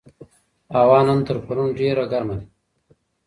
هوا نن تر پرون ډېره ګرمه ده.